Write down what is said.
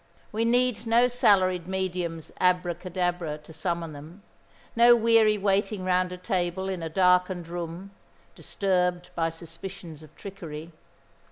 We need no salaried medium's abracadabra to summon them, no weary waiting round a table in a darkened room, disturbed by suspicions of trickery.